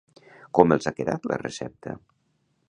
Com els ha quedat la recepta?